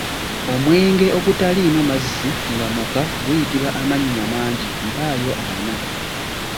Omwenge ogutaliimu mazzi nga muka guyitibwa amannya mangi, mpaayo ana?